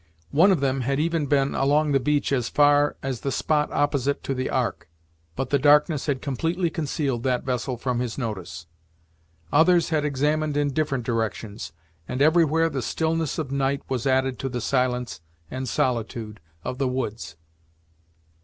One of them had even been along the beach as far as the spot opposite to the ark, but the darkness had completely concealed that vessel from his notice. Others had examined in different directions, and everywhere the stillness of night was added to the silence and solitude of the woods.